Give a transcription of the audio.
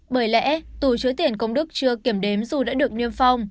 bởi lẽ tù chứa tiền công đức chưa kiểm đếm dù đã được niêm phong